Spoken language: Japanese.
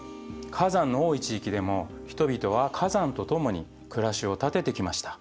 火山の多い地域でも人々は火山とともに暮らしを立ててきました。